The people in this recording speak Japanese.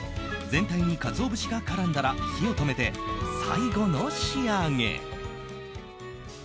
全体にカツオ節が絡んだら火を止めて最後の仕上げ。